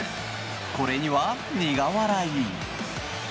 これには苦笑い。